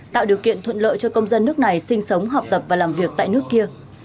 tạo điều kiện thuận lợi cho công dân nước này sinh sống học tập và làm việc tại nước kia